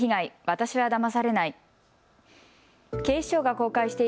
私はだまされない。